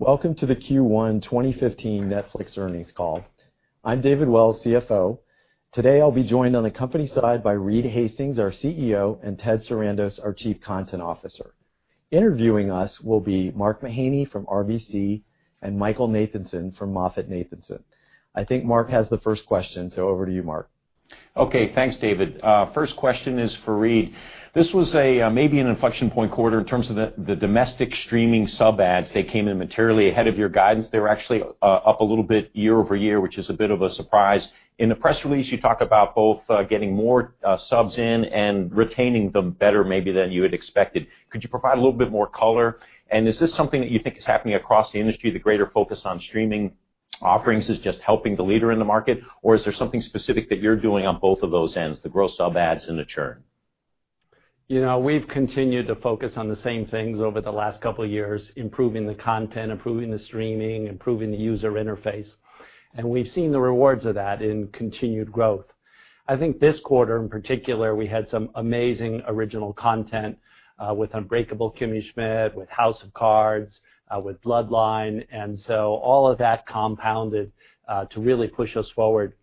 Welcome to the Q1 2015 Netflix earnings call. I'm David Wells, CFO. Today, I'll be joined on the company side by Reed Hastings, our CEO, and Ted Sarandos, our Chief Content Officer. Interviewing us will be Mark Mahaney from RBC and Michael Nathanson from MoffettNathanson. I think Mark has the first question. Over to you, Mark. Okay. Thanks, David. First question is for Reed. This was maybe an inflection-point quarter in terms of the domestic streaming sub adds. They came in materially ahead of your guidance. They were actually up a little bit year-over-year, which is a bit of a surprise. In the press release, you talk about both getting more subs in and retaining them better maybe than you had expected. Could you provide a little bit more color? Is this something that you think is happening across the industry, the greater focus on streaming offerings is just helping the leader in the market, or is there something specific that you're doing on both of those ends, the gross sub adds and the churn? We've continued to focus on the same things over the last couple of years, improving the content, improving the streaming, improving the user interface. We've seen the rewards of that in continued growth. I think this quarter in particular, we had some amazing original content with "Unbreakable Kimmy Schmidt," with "House of Cards," with "Bloodline." All of that compounded to really push us forward.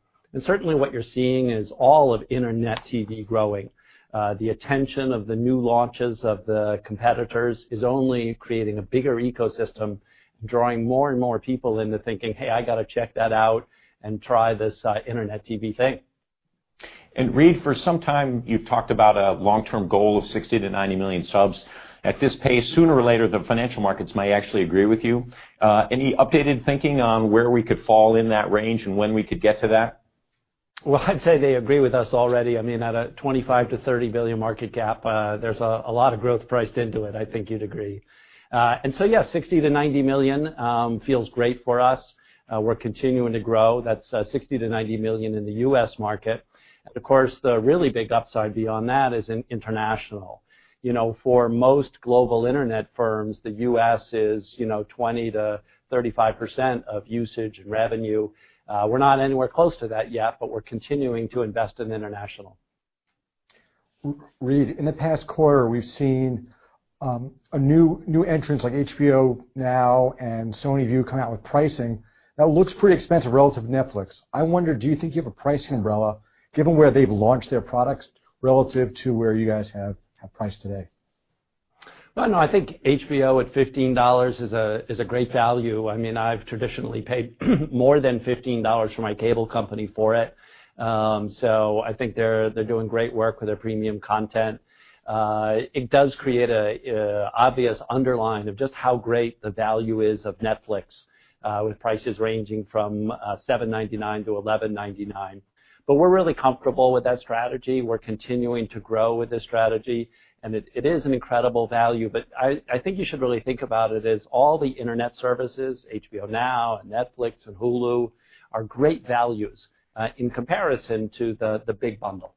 Certainly what you're seeing is all of Internet TV growing. The attention of the new launches of the competitors is only creating a bigger ecosystem, drawing more and more people into thinking, "Hey, I got to check that out and try this Internet TV thing. Reed, for some time, you've talked about a long-term goal of 60 million-90 million subs. At this pace, sooner or later, the financial markets may actually agree with you. Any updated thinking on where we could fall in that range and when we could get to that? Well, I'd say they agree with us already. I mean, at a $25 billion-$30 billion market cap there's a lot of growth priced into it, I think you'd agree. Yes, $60 million-$90 million feels great for us. We're continuing to grow. That's $60 million-$90 million in the U.S. market. Of course, the really big upside beyond that is in international. For most global Internet firms, the U.S. is 20%-35% of usage and revenue. We're not anywhere close to that yet, but we're continuing to invest in international. Reed, in the past quarter, we've seen new entrants like HBO Now and PlayStation Vue come out with pricing that looks pretty expensive relative to Netflix. I wonder, do you think you have a pricing umbrella given where they've launched their products relative to where you guys have priced today? Well, no, I think HBO at $15 is a great value. I've traditionally paid more than $15 for my cable company for it. I think they're doing great work with their premium content. It does create an obvious underline of just how great the value is of Netflix with prices ranging from $7.99-$11.99. We're really comfortable with that strategy. We're continuing to grow with this strategy, and it is an incredible value. I think you should really think about it as all the Internet services, HBO Now, Netflix, and Hulu, are great values in comparison to the big bundle.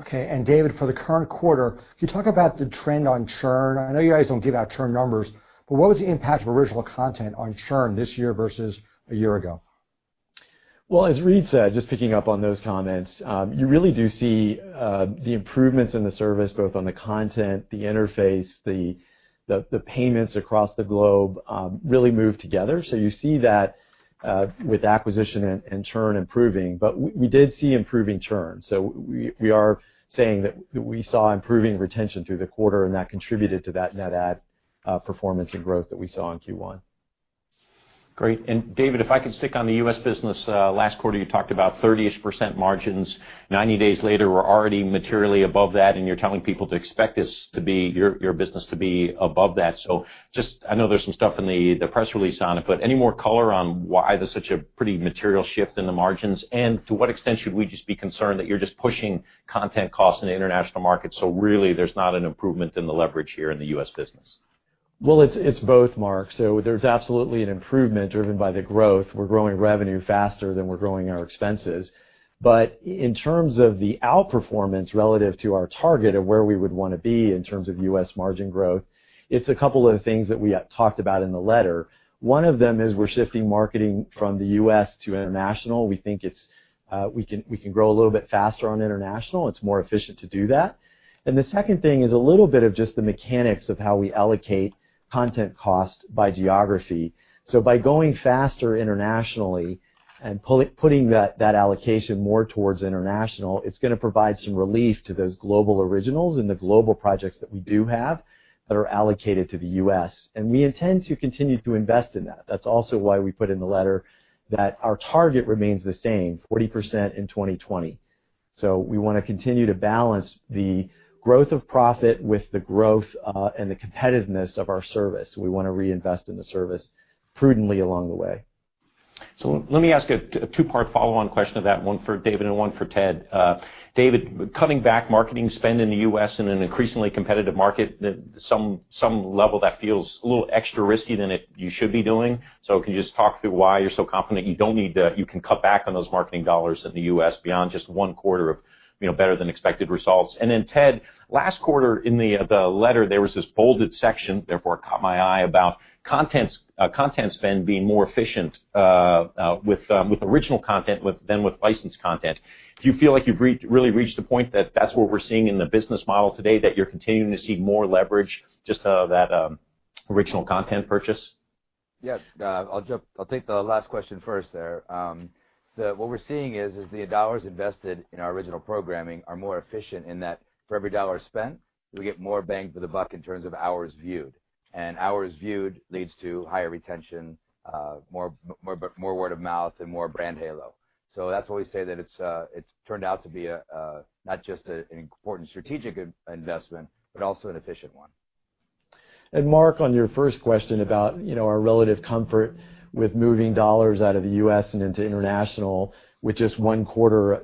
Okay. David, for the current quarter, can you talk about the trend on churn? I know you guys don't give out churn numbers, what was the impact of original content on churn this year versus a year ago? Well, as Reed said, just picking up on those comments, you really do see the improvements in the service, both on the content, the interface, the payments across the globe really move together. You see that with acquisition and churn improving. We did see improving churns. We are saying that we saw improving retention through the quarter, and that contributed to that net add performance and growth that we saw in Q1. Great. And David, if I could stick on the U.S. business. Last quarter, you talked about 30-ish% margins. 90 days later, we're already materially above that, and you're telling people to expect your business to be above that. I know there's some stuff in the press release on it, but any more color on why there's such a pretty material shift in the margins? To what extent should we just be concerned that you're just pushing content costs in the international market, so really there's not an improvement in the leverage here in the U.S. business? Well, it's both, Mark. There's absolutely an improvement driven by the growth. We're growing revenue faster than we're growing our expenses. In terms of the outperformance relative to our target of where we would want to be in terms of U.S. margin growth, it's a couple of things that we talked about in the letter. One of them is we're shifting marketing from the U.S. to international. We think we can grow a little bit faster on international. It's more efficient to do that. The second thing is a little bit of just the mechanics of how we allocate content cost by geography. By going faster internationally and putting that allocation more towards international, it's going to provide some relief to those global originals and the global projects that we do have that are allocated to the U.S. We intend to continue to invest in that. That's also why we put in the letter that our target remains the same, 40% in 2020. We want to continue to balance the growth of profit with the growth and the competitiveness of our service. We want to reinvest in the service prudently along the way. Let me ask a two-part follow-on question to that, one for David and one for Ted. David, cutting back marketing spend in the U.S. in an increasingly competitive market, at some level that feels a little extra risky than you should be doing. Can you just talk through why you're so confident you can cut back on those marketing dollars in the U.S. beyond just one quarter of better-than-expected results? Ted, last quarter in the letter, there was this bolded section, therefore it caught my eye, about content spend being more efficient with original content than with licensed content. Do you feel like you've really reached a point that that's what we're seeing in the business model today, that you're continuing to see more leverage, just that original content purchase? Yes. I'll take the last question first there. What we're seeing is the dollars invested in our original programming are more efficient in that for every dollar spent, we get more bang for the buck in terms of hours viewed. Hours viewed leads to higher retention, more word of mouth, and more brand halo. That's why we say that it's turned out to be not just an important strategic investment, but also an efficient one. Mark, on your first question about our relative comfort with moving dollars out of the U.S. and into international with just one quarter,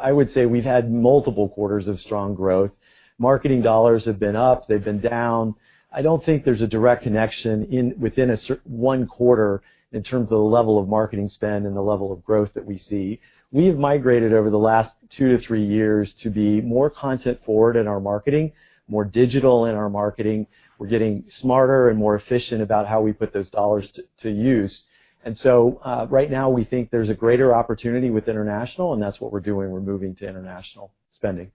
I would say we've had multiple quarters of strong growth. Marketing dollars have been up, they've been down. I don't think there's a direct connection within one quarter in terms of the level of marketing spend and the level of growth that we see. We have migrated over the last two to three years to be more content forward in our marketing, more digital in our marketing. We're getting smarter and more efficient about how we put those dollars to use. Right now we think there's a greater opportunity with international, and that's what we're doing. We're moving to international spending.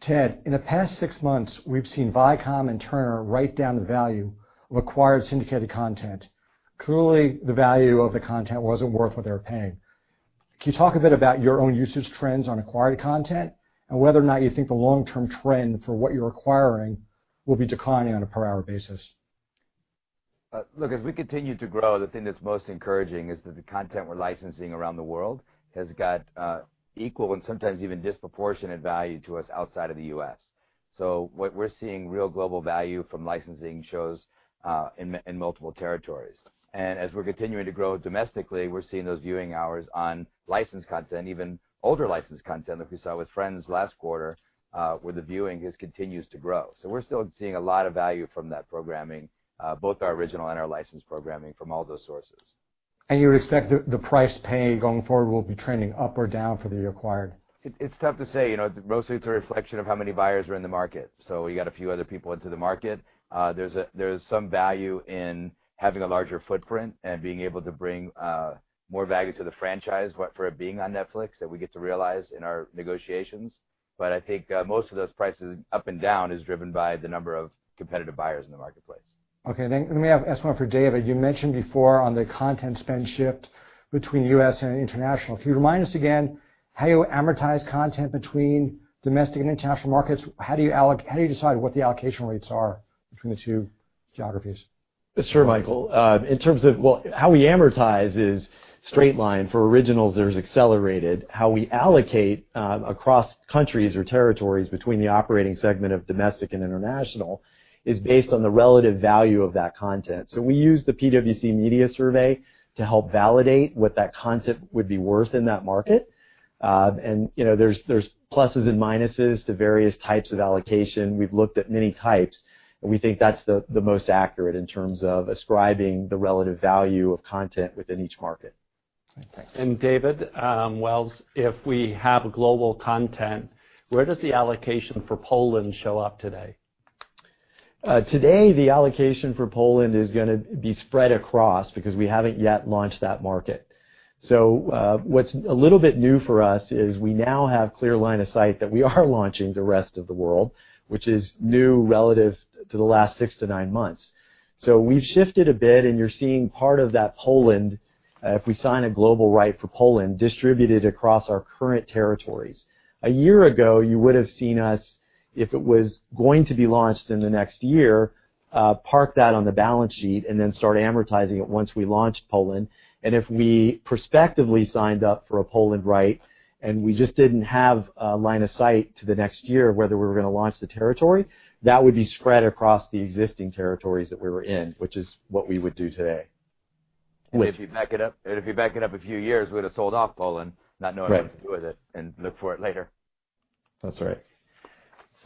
Ted, in the past six months, we've seen Viacom and Turner write down the value of acquired syndicated content. Clearly, the value of the content wasn't worth what they were paying. Can you talk a bit about your own usage trends on acquired content, and whether or not you think the long-term trend for what you're acquiring will be declining on a per-hour basis? Look, as we continue to grow, the thing that's most encouraging is that the content we're licensing around the world has got equal and sometimes even disproportionate value to us outside of the U.S. What we're seeing real global value from licensing shows in multiple territories. As we're continuing to grow domestically, we're seeing those viewing hours on licensed content, even older licensed content like we saw with "Friends" last quarter, where the viewing just continues to grow. We're still seeing a lot of value from that programming, both our original and our licensed programming from all those sources. You would expect the price paid going forward will be trending up or down for the acquired? It's tough to say. Mostly it's a reflection of how many buyers are in the market. We got a few other people into the market. There's some value in having a larger footprint and being able to bring more value to the franchise for it being on Netflix that we get to realize in our negotiations. I think most of those prices up and down is driven by the number of competitive buyers in the marketplace. Okay. Let me ask one for David. You mentioned before on the content spend shift between U.S. and international. Can you remind us again how you amortize content between domestic and international markets? How do you decide what the allocation rates are between the two geographies? Sure, Michael. How we amortize is straight line. For originals, there's accelerated. How we allocate across countries or territories between the operating segment of domestic and international is based on the relative value of that content. We use the PwC Media survey to help validate what that content would be worth in that market. There's pluses and minuses to various types of allocation. We've looked at many types, and we think that's the most accurate in terms of ascribing the relative value of content within each market. Thanks. David Wells, if we have a global content, where does the allocation for Poland show up today? Today, the allocation for Poland is going to be spread across because we haven't yet launched that market. What's a little bit new for us is we now have clear line of sight that we are launching the rest of the world, which is new relative to the last six to nine months. We've shifted a bit and you're seeing part of that Poland, if we sign a global right for Poland, distributed across our current territories. A year ago, you would've seen us, if it was going to be launched in the next year, park that on the balance sheet and then start amortizing it once we launched Poland. If we prospectively signed up for a Poland right, and we just didn't have a line of sight to the next year whether we were going to launch the territory, that would be spread across the existing territories that we were in, which is what we would do today with. If you back it up a few years, we would've sold off Poland, not knowing what to do with it and look for it later. That's right.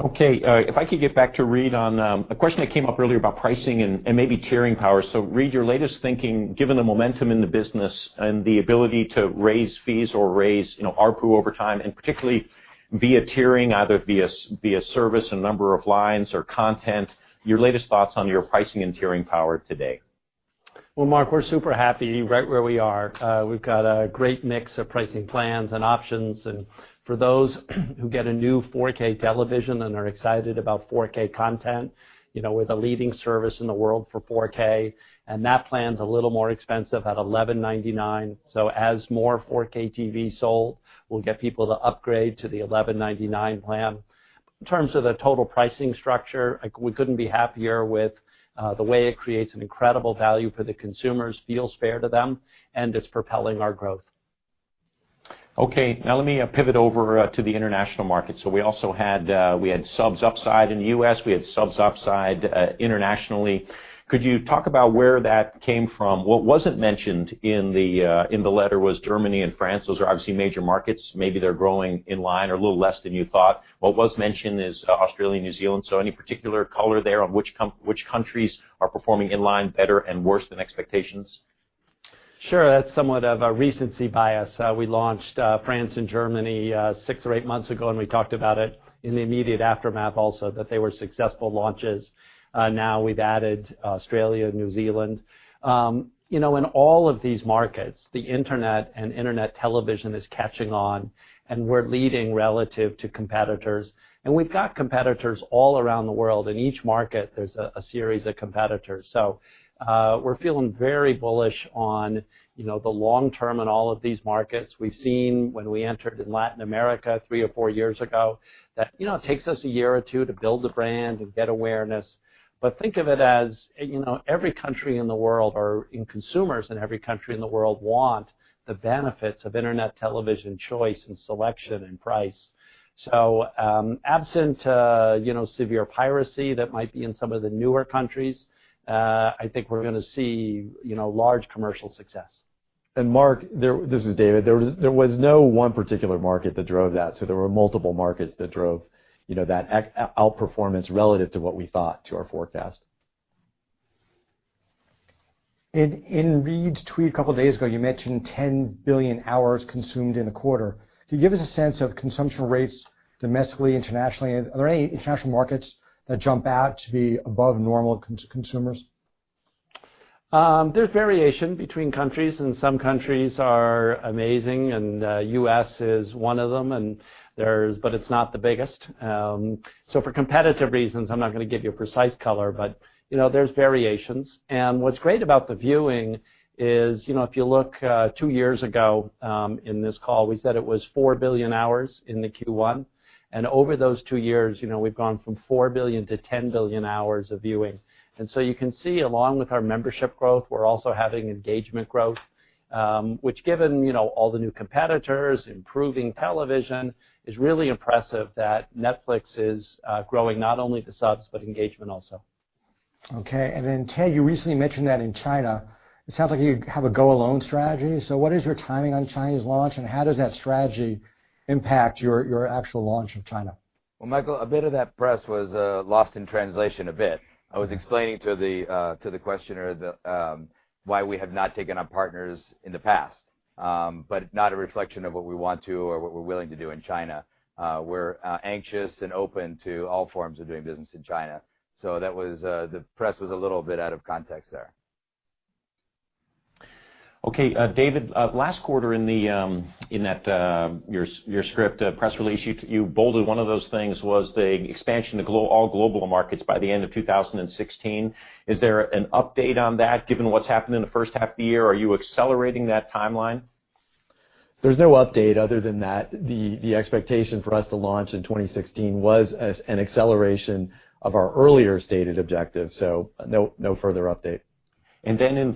Okay. If I could get back to Reed on a question that came up earlier about pricing and maybe carrying power. Reed, your latest thinking, given the momentum in the business and the ability to raise fees or raise ARPU over time, and particularly via tiering, either via service and number of lines or content, your latest thoughts on your pricing and tiering power today. Well, Mark, we're super happy right where we are. We've got a great mix of pricing plans and options. For those who get a new 4K television and are excited about 4K content, we're the leading service in the world for 4K, and that plan's a little more expensive at $11.99. As more 4K TVs sold, we'll get people to upgrade to the $11.99 plan. In terms of the total pricing structure, we couldn't be happier with the way it creates an incredible value for the consumers, feels fair to them, and it's propelling our growth. Okay. Let me pivot over to the international market. We also had subs upside in the U.S. We had subs upside internationally. Could you talk about where that came from? What wasn't mentioned in the letter was Germany and France. Those are obviously major markets. Maybe they're growing in line or a little less than you thought. What was mentioned is Australia and New Zealand. Any particular color there on which countries are performing in line better and worse than expectations? Sure. That's somewhat of a recency bias. We launched France and Germany six or eight months ago, and we talked about it in the immediate aftermath also that they were successful launches. Now we've added Australia and New Zealand. In all of these markets, the internet and internet television is catching on, and we're leading relative to competitors. We've got competitors all around the world. In each market, there's a series of competitors. We're feeling very bullish on the long-term in all of these markets. We've seen when we entered Latin America three or four years ago, that it takes us a year or two to build the brand and get awareness. Think of it as every country in the world or consumers in every country in the world want the benefits of internet television choice and selection and price. Absent severe piracy that might be in some of the newer countries, I think we're going to see large commercial success. Mark, this is David. There was no one particular market that drove that, there were multiple markets that drove that outperformance relative to what we thought to our forecast. In Reed's tweet a couple of days ago, you mentioned 10 billion hours consumed in a quarter. Can you give us a sense of consumption rates domestically, internationally? Are there any international markets that jump out to be above normal consumers? There's variation between countries, some countries are amazing and the U.S. is one of them, but it's not the biggest. For competitive reasons, I'm not going to give you a precise color, but there's variations. What's great about the viewing is if you look two years ago in this call, we said it was $4 billion hours in the Q1. Over those two years, we've gone from $4 billion to $10 billion hours of viewing. You can see along with our membership growth, we're also having engagement growth, which given all the new competitors, improving television, is really impressive that Netflix is growing not only the subs, but engagement also. Okay. Ted, you recently mentioned that in China, it sounds like you have a go-alone strategy. What is your timing on China's launch, and how does that strategy impact your actual launch in China? Well, Michael, a bit of that press was lost in translation a bit. I was explaining to the questioner why we have not taken on partners in the past. It's not a reflection of what we want to or what we're willing to do in China. We're anxious and open to all forms of doing business in China. The press was a little bit out of context there. Okay. David, last quarter in your script press release, you bolded one of those things was the expansion to all global markets by the end of 2016. Is there an update on that given what's happened in the first half of the year? Are you accelerating that timeline? There's no update other than that the expectation for us to launch in 2016 was as an acceleration of our earlier stated objective. No further update.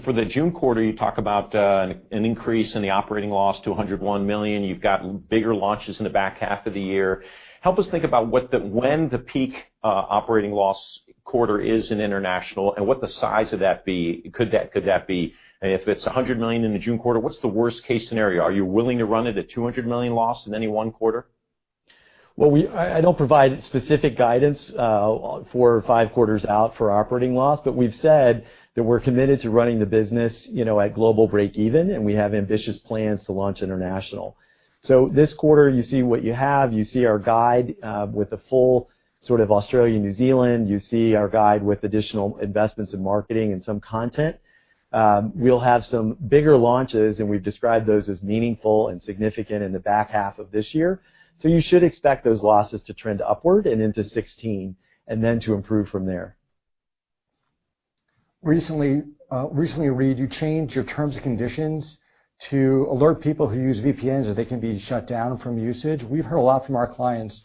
For the June quarter, you talk about an increase in the operating loss to $101 million. You've got bigger launches in the back half of the year. Help us think about when the peak operating loss quarter is in international and what the size of that could that be. If it's $100 million in the June quarter, what's the worst-case scenario? Are you willing to run at a $200 million loss in any one quarter? Well, I don't provide specific guidance four or five quarters out for operating loss, but we've said that we're committed to running the business at global break even, and we have ambitious plans to launch international. This quarter, you see what you have. You see our guide with the full sort of Australia, New Zealand. You see our guide with additional investments in marketing and some content. We'll have some bigger launches, and we've described those as meaningful and significant in the back half of this year. You should expect those losses to trend upward and into 2016, and then to improve from there. Recently, Reed, you changed your terms and conditions to alert people who use VPNs that they can be shut down from usage. We've heard a lot from our clients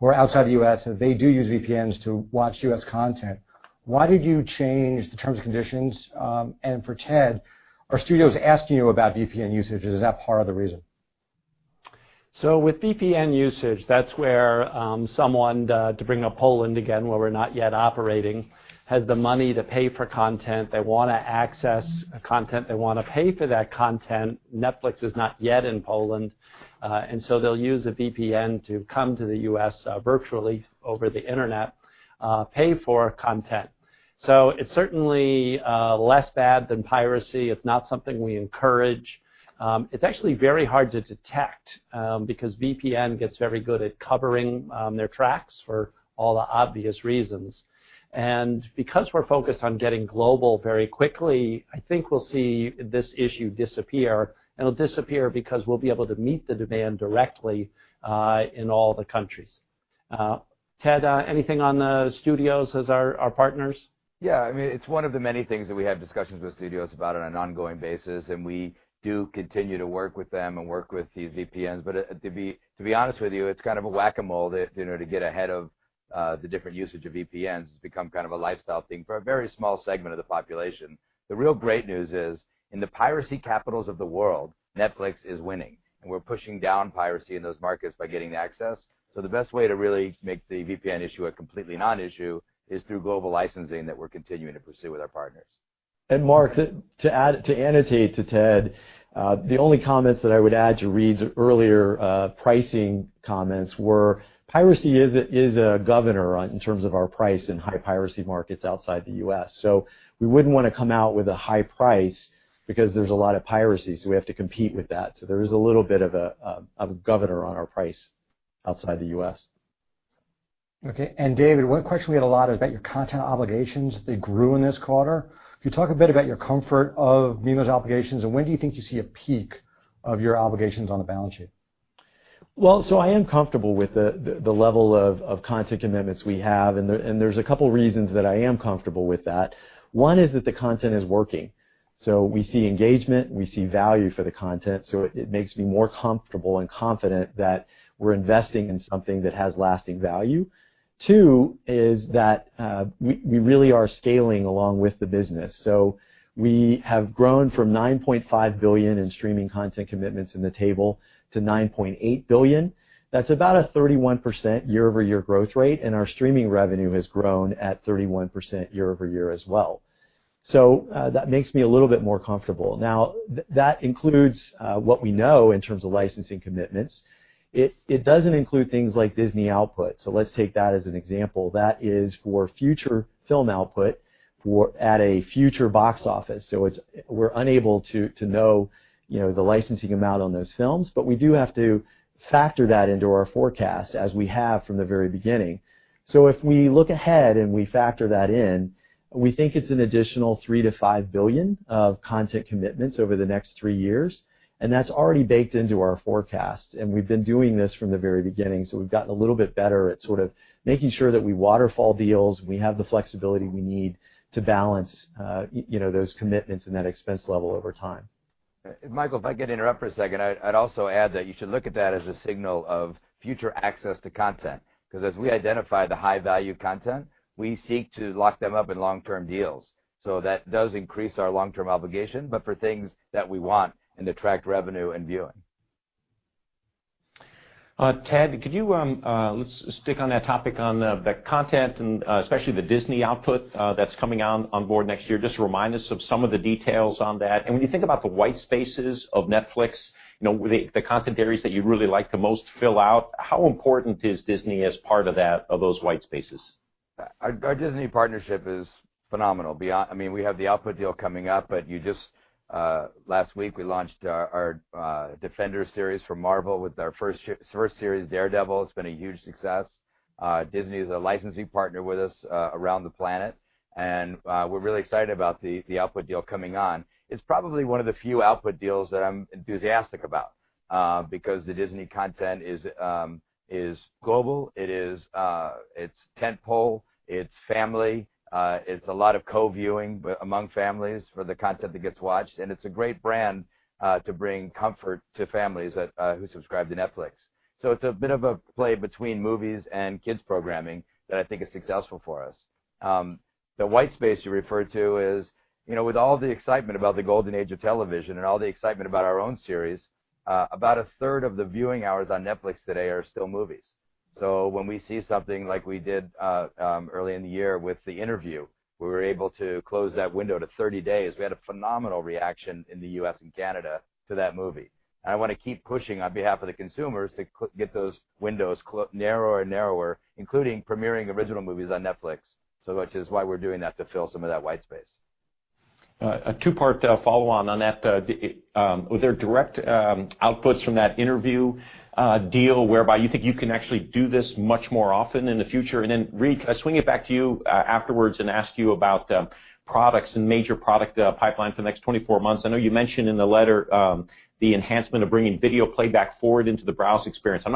who are outside the U.S. that they do use VPNs to watch U.S. content. Why did you change the terms and conditions? For Ted, are studios asking you about VPN usage? Is that part of the reason? With VPN usage, that's where someone, to bring up Poland again, where we're not yet operating, has the money to pay for content. They want to access content. They want to pay for that content. Netflix is not yet in Poland. They'll use a VPN to come to the U.S. virtually over the internet, pay for content. It's certainly less bad than piracy. It's not something we encourage. It's actually very hard to detect because VPN gets very good at covering their tracks for all the obvious reasons. Because we're focused on getting global very quickly, I think we'll see this issue disappear, and it'll disappear because we'll be able to meet the demand directly in all the countries. Ted, anything on the studios as our partners? It's one of the many things that we have discussions with studios about on an ongoing basis, we do continue to work with them and work with these VPNs. To be honest with you, it's kind of a whack-a-mole to get ahead of the different usage of VPNs. It's become kind of a lifestyle thing for a very small segment of the population. The real great news is, in the piracy capitals of the world, Netflix is winning, and we're pushing down piracy in those markets by getting access. The best way to really make the VPN issue a completely non-issue is through global licensing that we're continuing to pursue with our partners. Mark, to annotate to Ted The only comments that I would add to Reed's earlier pricing comments were piracy is a governor in terms of our price in high-piracy markets outside the U.S. We wouldn't want to come out with a high price because there's a lot of piracy, we have to compete with that. There is a little bit of a governor on our price outside the U.S. David, one question we had a lot is about your content obligations. They grew in this quarter. Could you talk a bit about your comfort of meeting those obligations, and when do you think you see a peak of your obligations on the balance sheet? I am comfortable with the level of content commitments we have, and there's a couple of reasons that I am comfortable with that. One is that the content is working. We see engagement, we see value for the content, it makes me more comfortable and confident that we're investing in something that has lasting value. Two is that we really are scaling along with the business. We have grown from $9.5 billion in streaming content commitments in the table to $9.8 billion. That's about a 31% year-over-year growth rate, and our streaming revenue has grown at 31% year-over-year as well. That makes me a little bit more comfortable. Now, that includes what we know in terms of licensing commitments. It doesn't include things like Disney output. Let's take that as an example. That is for future film output at a future box office. We're unable to know the licensing amount on those films. We do have to factor that into our forecast as we have from the very beginning. If we look ahead and we factor that in, we think it's an additional $3 billion-$5 billion of content commitments over the next three years, and that's already baked into our forecast. We've been doing this from the very beginning, we've gotten a little bit better at sort of making sure that we waterfall deals, we have the flexibility we need to balance those commitments and that expense level over time. Michael, if I could interrupt for a second, I'd also add that you should look at that as a signal of future access to content, because as we identify the high-value content, we seek to lock them up in long-term deals. That does increase our long-term obligation, for things that we want and attract revenue and viewing. Ted, let's stick on that topic on the content and especially the Disney output that's coming on board next year. Just remind us of some of the details on that. When you think about the white spaces of Netflix, the content areas that you'd really like to most fill out, how important is Disney as part of those white spaces? Our Disney partnership is phenomenal. Last week we launched our Defenders series from Marvel with our first series, Daredevil. It's been a huge success. Disney is a licensing partner with us around the planet, and we're really excited about the output deal coming on. It's probably one of the few output deals that I'm enthusiastic about because the Disney content is global. It's tent-pole, it's family. It's a lot of co-viewing among families for the content that gets watched, and it's a great brand to bring comfort to families who subscribe to Netflix. It's a bit of a play between movies and kids programming that I think is successful for us. The white space you referred to is with all the excitement about the golden age of television and all the excitement about our own series, about a third of the viewing hours on Netflix today are still movies. When we see something like we did early in the year with The Interview, where we were able to close that window to 30 days, we had a phenomenal reaction in the U.S. and Canada to that movie. I want to keep pushing on behalf of the consumers to get those windows narrower and narrower, including premiering original movies on Netflix. Much is why we're doing that to fill some of that white space. A two-part follow-on on that. Were there direct outputs from that The Interview deal whereby you think you can actually do this much more often in the future? Reed, can I swing it back to you afterwards and ask you about products and major product pipeline for the next 24 months? I know you mentioned in the letter the enhancement of bringing video playback forward into the browse experience. I'm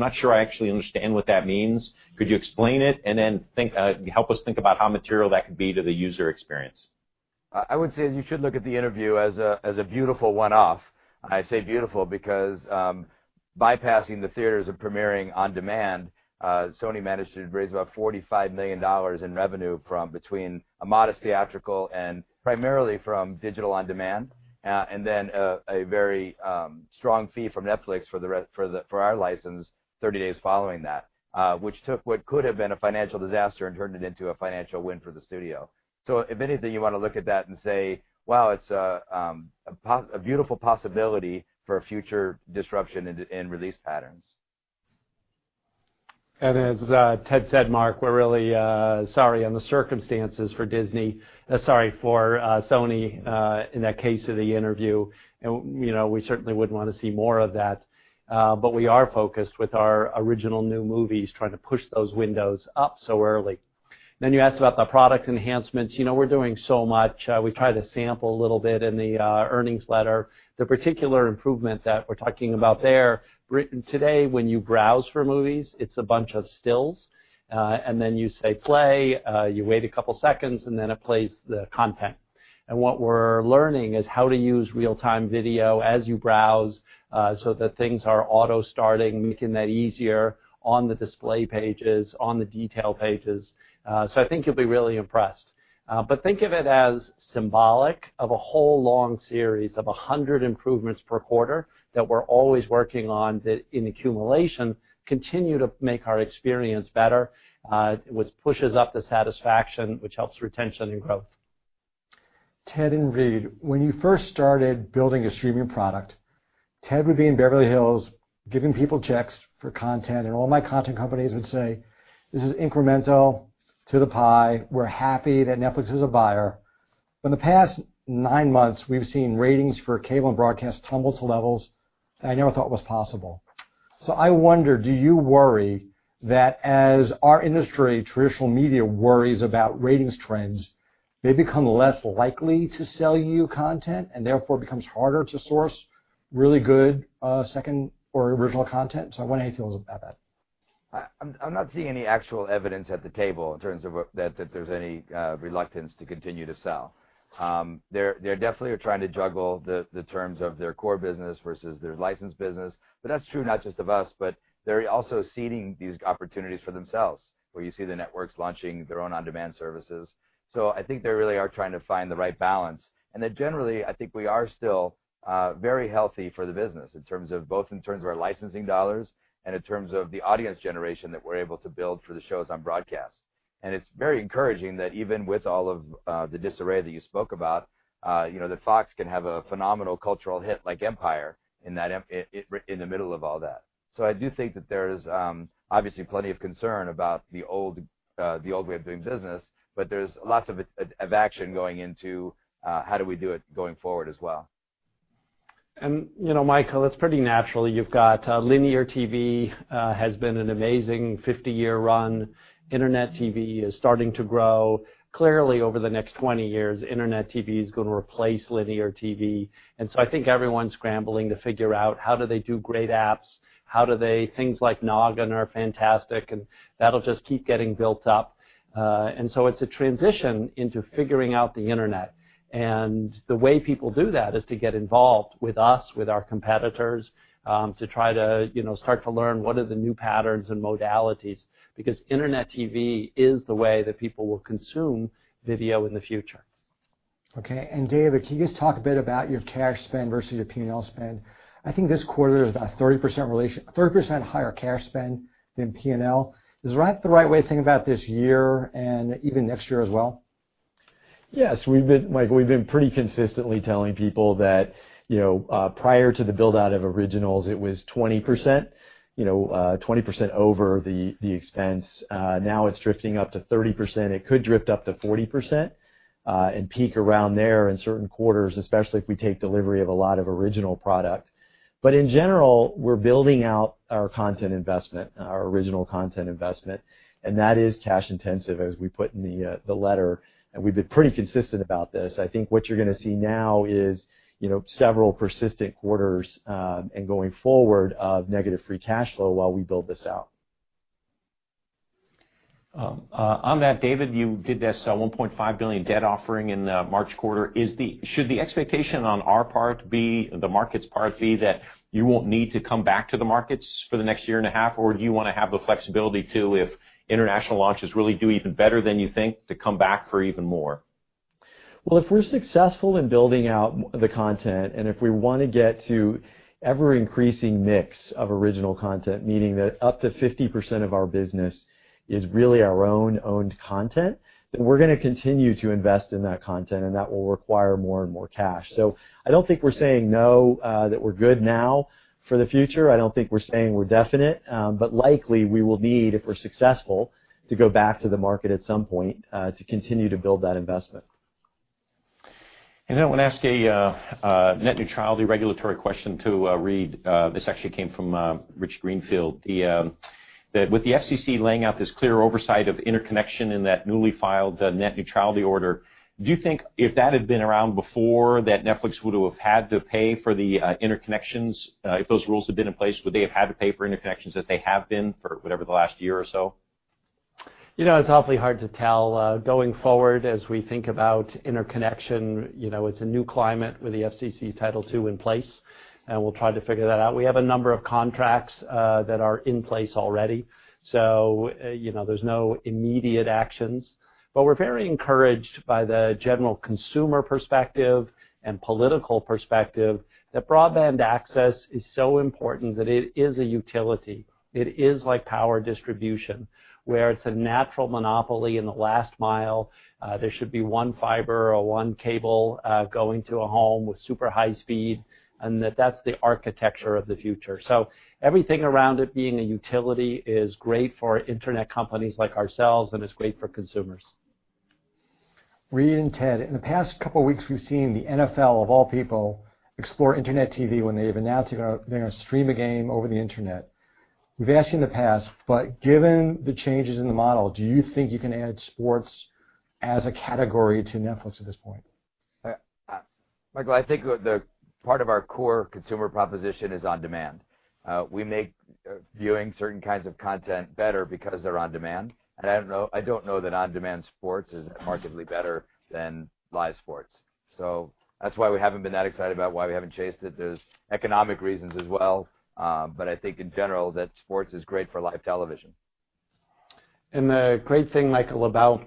not sure I actually understand what that means. Could you explain it and then help us think about how material that could be to the user experience? I would say that you should look at The Interview as a beautiful one-off. I say beautiful because bypassing the theaters and premiering on-demand, Sony managed to raise about $45 million in revenue from between a modest theatrical and primarily from digital on-demand. A very strong fee from Netflix for our license 30 days following that, which took what could have been a financial disaster and turned it into a financial win for the studio. If anything, you want to look at that and say, "Wow, it's a beautiful possibility for a future disruption in release patterns. As Ted said, Mark, we're really sorry on the circumstances for Disney. Sorry for Sony in that case of "The Interview", and we certainly would want to see more of that. We are focused with our original new movies, trying to push those windows up so early. You asked about the product enhancements. We're doing so much. We try to sample a little bit in the earnings letter. The particular improvement that we're talking about there, today, when you browse for movies, it's a bunch of stills, and then you say play, you wait a couple of seconds, and then it plays the content. What we're learning is how to use real-time video as you browse so that things are auto-starting, making that easier on the display pages, on the detail pages. I think you'll be really impressed. Think of it as symbolic of a whole long series of 100 improvements per quarter that we're always working on that in accumulation, continue to make our experience better, which pushes up the satisfaction, which helps retention and growth. Ted and Reed, when you first started building a streaming product, Ted would be in Beverly Hills giving people checks for content, and all my content companies would say, "This is incremental to the pie. We're happy that Netflix is a buyer." In the past 9 months, we've seen ratings for cable and broadcast tumble to levels that I never thought was possible. I wonder, do you worry that as our industry, traditional media, worries about ratings trends, they become less likely to sell you content, and therefore, it becomes harder to source really good second or original content? I wonder how you feel about that. I'm not seeing any actual evidence at the table in terms of that there's any reluctance to continue to sell. They definitely are trying to juggle the terms of their core business versus their licensed business, but that's true not just of us, but they're also seeding these opportunities for themselves, where you see the networks launching their own on-demand services. I think they really are trying to find the right balance. That generally, I think we are still very healthy for the business, both in terms of our licensing dollars and in terms of the audience generation that we're able to build for the shows on broadcast. It's very encouraging that even with all of the disarray that you spoke about, that Fox can have a phenomenal cultural hit like "Empire" in the middle of all that. I do think that there's obviously plenty of concern about the old way of doing business, but there's lots of action going into how do we do it going forward as well. Michael, it's pretty natural. You've got linear TV has been an amazing 50-year run. Internet TV is starting to grow. Clearly, over the next 20 years, internet TV is going to replace linear TV. I think everyone's scrambling to figure out how do they do great apps. Things like Noggin are fantastic, and that'll just keep getting built up. It's a transition into figuring out the internet. The way people do that is to get involved with us, with our competitors, to try to start to learn what are the new patterns and modalities. Because internet TV is the way that people will consume video in the future. Okay. David, can you just talk a bit about your cash spend versus your P&L spend? I think this quarter is about 30% higher cash spend than P&L. Is that the right way to think about this year and even next year as well? Yes. Michael, we've been pretty consistently telling people that prior to the build-out of originals, it was 20% over the expense. Now it's drifting up to 30%. It could drift up to 40% and peak around there in certain quarters, especially if we take delivery of a lot of original product. In general, we're building out our original content investment, and that is cash intensive, as we put in the letter, and we've been pretty consistent about this. I think what you're going to see now is several persistent quarters and going forward of negative free cash flow while we build this out. On that, David, you did that $1.5 billion debt offering in the March quarter. Should the expectation on the market's part be that you won't need to come back to the markets for the next year and a half? Or do you want to have the flexibility to, if international launches really do even better than you think, to come back for even more? Well, if we're successful in building out the content, and if we want to get to ever-increasing mix of original content, meaning that up to 50% of our business is really our own owned content, then we're going to continue to invest in that content and that will require more and more cash. I don't think we're saying no, that we're good now for the future. I don't think we're saying we're definite. Likely, we will need, if we're successful, to go back to the market at some point to continue to build that investment. I want to ask a net neutrality regulatory question to Reed. This actually came from Rich Greenfield. That with the FCC laying out this clear oversight of interconnection in that newly filed net neutrality order, do you think if that had been around before, that Netflix would have had to pay for the interconnections? If those rules had been in place, would they have had to pay for interconnections as they have been for whatever the last year or so? It's awfully hard to tell. Going forward, as we think about interconnection, it's a new climate with the FCC Title II in place, and we'll try to figure that out. We have a number of contracts that are in place already. There's no immediate actions. We're very encouraged by the general consumer perspective and political perspective that broadband access is so important that it is a utility. It is like power distribution, where it's a natural monopoly in the last mile. There should be one fiber or one cable going to a home with super high speed, and that's the architecture of the future. Everything around it being a utility is great for internet companies like ourselves, and it's great for consumers. Reed and Ted, in the past couple of weeks, we've seen the NFL, of all people, explore internet TV when they've announced they're going to stream a game over the internet. We've asked you in the past, but given the changes in the model, do you think you can add sports as a category to Netflix at this point? Michael, I think part of our core consumer proposition is on-demand. We make viewing certain kinds of content better because they're on-demand, and I don't know that on-demand sports is markedly better than live sports. That's why we haven't been that excited about why we haven't chased it. There's economic reasons as well. I think in general, that sports is great for live television. The great thing, Michael, about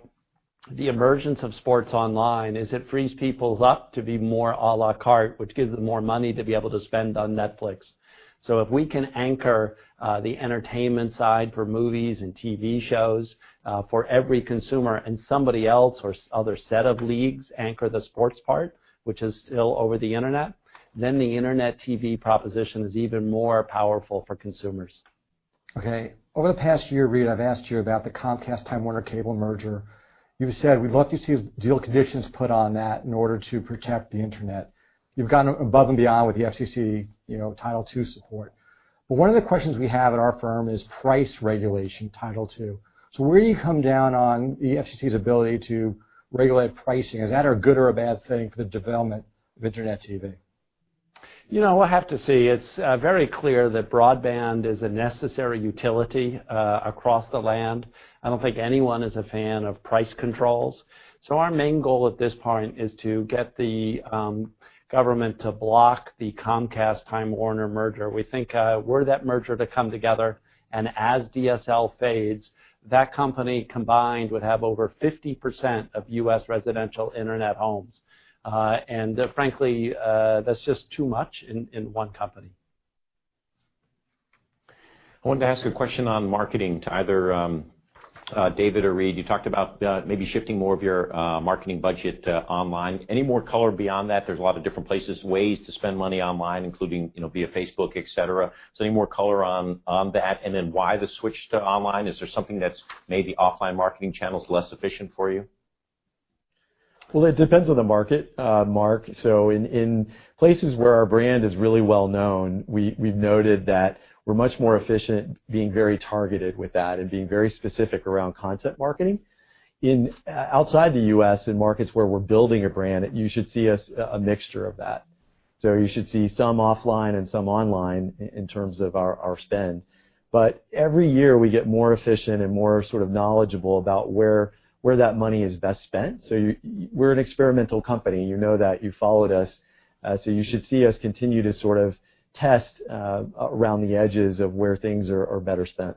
the emergence of sports online is it frees people up to be more a la carte, which gives them more money to be able to spend on Netflix. If we can anchor the entertainment side for movies and TV shows for every consumer and somebody else or other set of leagues anchor the sports part, which is still over the Internet, then the Internet TV proposition is even more powerful for consumers. Okay. Over the past year, Reed, I've asked you about the Comcast-Time Warner Cable merger. You've said we'd love to see deal conditions put on that in order to protect the Internet. You've gone above and beyond with the FCC Title II support. One of the questions we have at our firm is price regulation, Title II. Where do you come down on the FCC's ability to regulate pricing? Is that a good or a bad thing for the development of Internet TV? We'll have to see. It's very clear that broadband is a necessary utility across the land. I don't think anyone is a fan of price controls. Our main goal at this point is to get the government to block the Comcast-Time Warner merger. We think were that merger to come together and as DSL fades, that company combined would have over 50% of U.S. residential Internet homes. Frankly, that's just too much in one company. I wanted to ask a question on marketing to either David or Reed. You talked about maybe shifting more of your marketing budget online. Any more color beyond that? There's a lot of different places, ways to spend money online, including via Facebook, et cetera. Any more color on that? Why the switch to online? Is there something that's made the offline marketing channels less efficient for you? Well, it depends on the market, Mark. In places where our brand is really well-known, we've noted that we're much more efficient being very targeted with that and being very specific around content marketing. Outside the U.S., in markets where we're building a brand, you should see a mixture of that. You should see some offline and some online in terms of our spend. Every year, we get more efficient and more knowledgeable about where that money is best spent. We're an experimental company. You know that. You've followed us. You should see us continue to test around the edges of where things are better spent.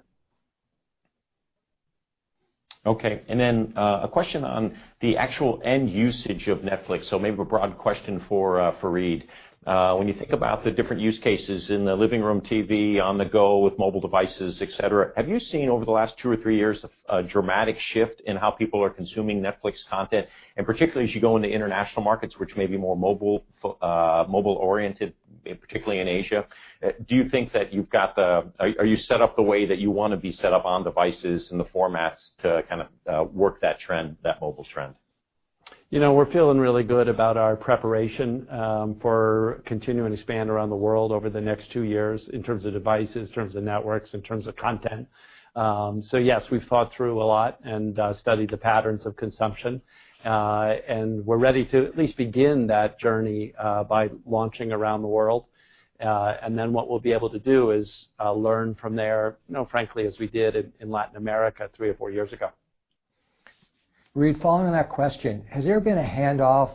Okay. A question on the actual end usage of Netflix. Maybe a broad question for Reed. When you think about the different use cases in the living room TV, on the go with mobile devices, et cetera, have you seen over the last two or three years a dramatic shift in how people are consuming Netflix content? Particularly as you go into international markets, which may be more mobile-oriented, particularly in Asia, are you set up the way that you want to be set up on devices and the formats to kind of work that mobile trend? We're feeling really good about our preparation for continuing to expand around the world over the next two years in terms of devices, in terms of networks, in terms of content. Yes, we've thought through a lot and studied the patterns of consumption. We're ready to at least begin that journey by launching around the world. What we'll be able to do is learn from there, frankly, as we did in Latin America three or four years ago. Reed, following on that question, has there been a handoff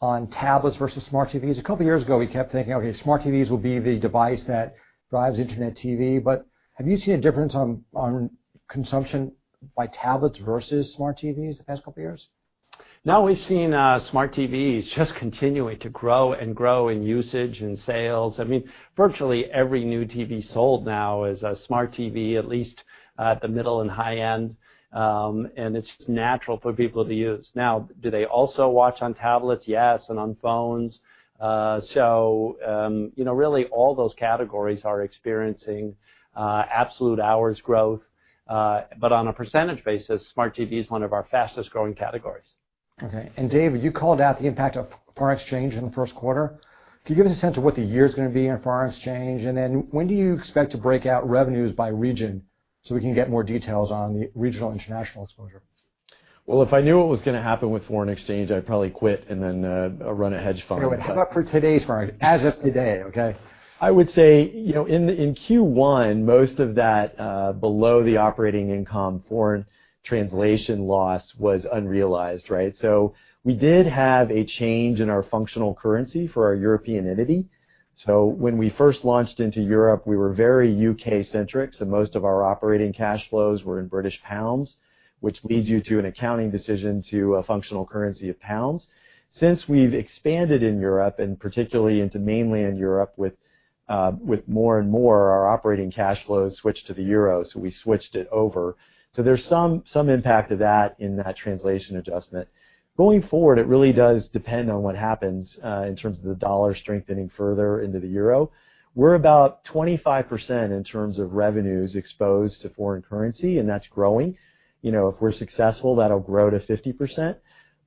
on tablets versus smart TVs? A couple of years ago, we kept thinking, okay, smart TVs will be the device that drives Internet TV. Have you seen a difference on consumption by tablets versus smart TVs the past couple of years? No, we've seen smart TVs just continuing to grow in usage and sales. Virtually every new TV sold now is a smart TV, at least at the middle and high end. It's natural for people to use. Now, do they also watch on tablets? Yes, and on phones. Really all those categories are experiencing absolute hours growth. On a percentage basis, smart TV is one of our fastest-growing categories. Okay. David, you called out the impact of foreign exchange in the first quarter. Can you give us a sense of what the year's going to be in foreign exchange? When do you expect to break out revenues by region so we can get more details on the regional international exposure? If I knew what was going to happen with foreign exchange, I'd probably quit and then run a hedge fund. How about for today's market? As of today, okay? I would say, in Q1, most of that below the operating income foreign translation loss was unrealized, right? We did have a change in our functional currency for our European entity. When we first launched into Europe, we were very U.K.-centric, most of our operating cash flows were in British pounds, which leads you to an accounting decision to a functional currency of pounds. Since we've expanded in Europe, and particularly into mainland Europe with more and more, our operating cash flows switched to the euro, we switched it over. There's some impact of that in that translation adjustment. Going forward, it really does depend on what happens in terms of the dollar strengthening further into the euro. We're about 25% in terms of revenues exposed to foreign currency, and that's growing. If we're successful, that'll grow to 50%.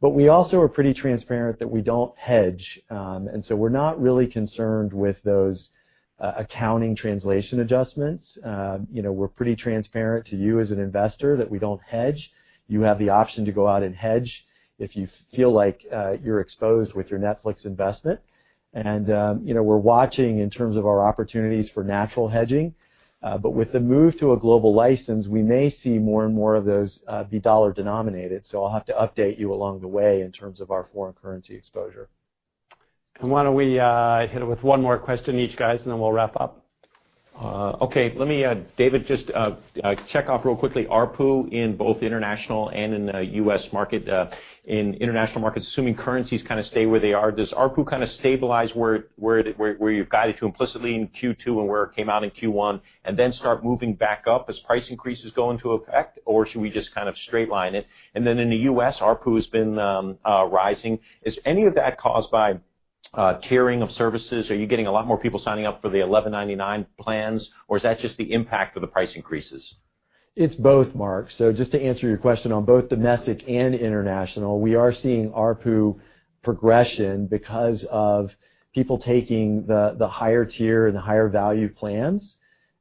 We also are pretty transparent that we don't hedge. We're not really concerned with those accounting translation adjustments. We're pretty transparent to you as an investor that we don't hedge. You have the option to go out and hedge if you feel like you're exposed with your Netflix investment. We're watching in terms of our opportunities for natural hedging. With the move to a global license, we may see more and more of those be dollar-denominated. I'll have to update you along the way in terms of our foreign currency exposure. Why don't we hit it with one more question each, guys, then we'll wrap up. Let me, David, just check off real quickly ARPU in both international and in the U.S. market. In international markets, assuming currencies kind of stay where they are, does ARPU kind of stabilize where you've guided to implicitly in Q2 and where it came out in Q1, then start moving back up as price increases go into effect? Or should we just kind of straight line it? In the U.S., ARPU has been rising. Is any of that caused by tiering of services? Are you getting a lot more people signing up for the $11.99 plans, or is that just the impact of the price increases? It's both, Mark. Just to answer your question on both domestic and international, we are seeing ARPU progression because of people taking the higher tier and the higher value plans.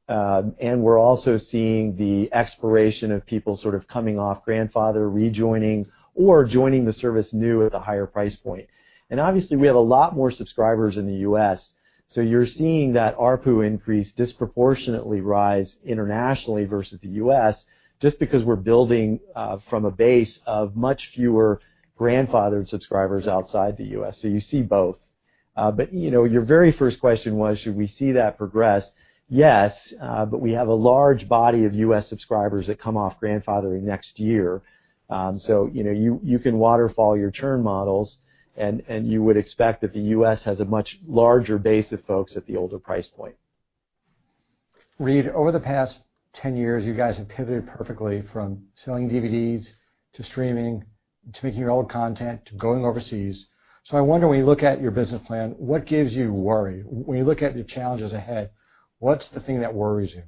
We're also seeing the expiration of people sort of coming off grandfather, rejoining, or joining the service new at the higher price point. Obviously, we have a lot more subscribers in the U.S., so you're seeing that ARPU increase disproportionately rise internationally versus the U.S. just because we're building from a base of much fewer grandfathered subscribers outside the U.S. You see both. Your very first question was, should we see that progress? Yes. We have a large body of U.S. subscribers that come off grandfathering next year. You can waterfall your churn models, and you would expect that the U.S. has a much larger base of folks at the older price point. Reed, over the past 10 years, you guys have pivoted perfectly from selling DVDs to streaming, to making your own content, to going overseas. I wonder, when you look at your business plan, what gives you worry? When you look at the challenges ahead, what's the thing that worries you?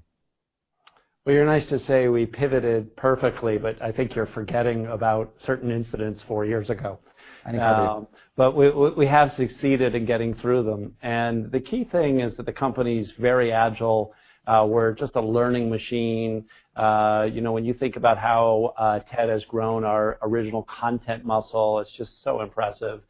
You're nice to say we pivoted perfectly, but I think you're forgetting about certain incidents four years ago. I apologize. We have succeeded in getting through them, and the key thing is that the company's very agile. We're just a learning machine. When you think about how Ted has grown our original content muscle, it's just so impressive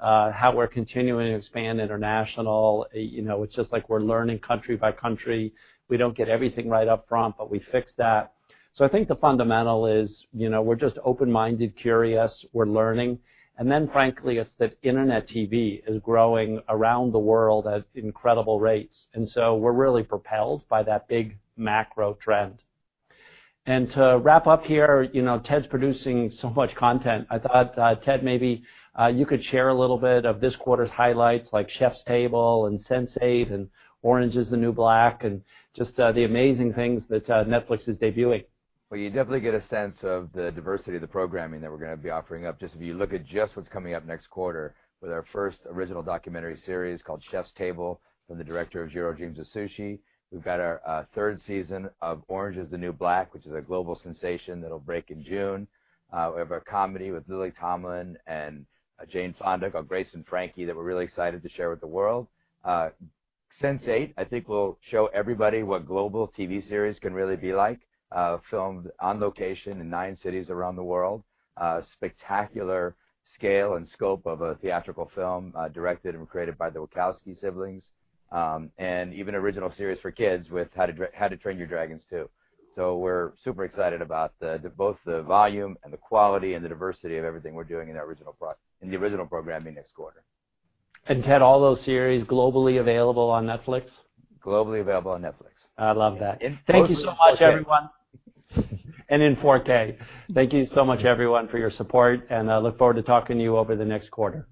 how we're continuing to expand international. It's just like we're learning country by country. We don't get everything right up front, but we fix that. I think the fundamental is we're just open-minded, curious, we're learning. Frankly, it's that internet TV is growing around the world at incredible rates, and we're really propelled by that big macro trend. To wrap up here, Ted's producing so much content. I thought, Ted, maybe you could share a little bit of this quarter's highlights, like "Chef's Table" and "Sense8" and "Orange Is the New Black," and just the amazing things that Netflix is debuting. You definitely get a sense of the diversity of the programming that we're going to be offering up just if you look at just what's coming up next quarter with our first original documentary series called "Chef's Table" from the director of "Jiro Dreams of Sushi." We've got our third season of "Orange Is the New Black," which is a global sensation that'll break in June. We have a comedy with Lily Tomlin and Jane Fonda called "Grace and Frankie" that we're really excited to share with the world. "Sense8" I think will show everybody what global TV series can really be like, filmed on location in nine cities around the world. Spectacular scale and scope of a theatrical film directed and created by the Wachowski siblings. Even original series for kids with "How to Train Your Dragon 2." We're super excited about both the volume and the quality and the diversity of everything we're doing in the original programming next quarter. Ted, all those series globally available on Netflix? Globally available on Netflix. I love that. Mostly in 4K. Thank you so much, everyone. In 4K. Thank you so much, everyone, for your support, and I look forward to talking to you over the next quarter.